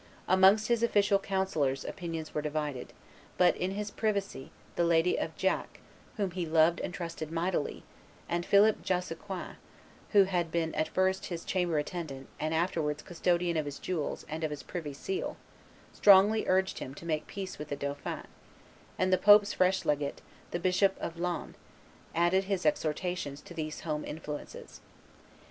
Amongst his official councillors opinions were divided; but, in his privacy, the lady of Giac, "whom he loved and trusted mightily," and Philip Jossequin, who had at first been his chamber attendant, and afterwards custodian of his jewels and of his privy seal, strongly urged him to make peace with the dauphin; and the pope's fresh legate, the Bishop of Laon, added his exhortations to these home influences.